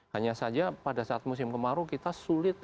hanya saja pada saat musim kemarau kita sulit